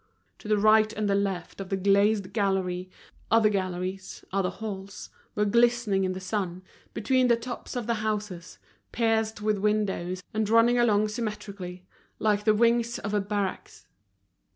To the right and the left of the glazed gallery, other galleries, other halls, were glistening in the sun, between the tops of the houses, pierced with windows and running along symmetrically, like the wings of a barracks.